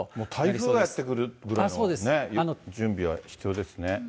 台風がやって来るぐらいの準備は必要ですね。